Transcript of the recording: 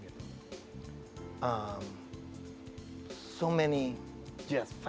ke mics lizakh allah menyelamatkan nugjal erem